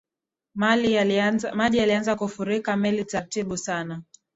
maji yalianza kufurika meli tratibu sana